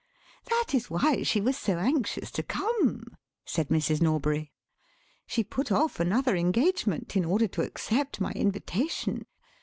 "That is why she was so anxious to come," said Mrs. Norbury; "she put off another engagement in order to accept my invitation.